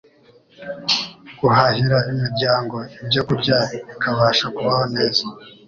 guhahira imiryango ibyokurya ikabasha kubaho neza